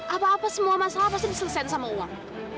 apa apa semua masalah pasti diselesaikan sama uang